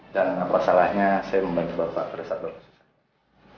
dan apa salahnya saya membantu bapak pada saat saat susah